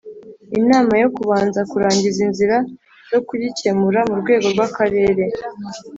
inama yo kubanza kurangiza inzira zo kugikemura mu rwego rw'akarere,